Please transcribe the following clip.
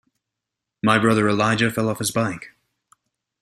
My brother Elijah fell off his bike.